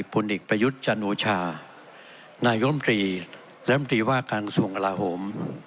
ผลเอกพระยุทธ์จันนูชานายกรมตรีและรมตรีว่าการสูงกระลาฮม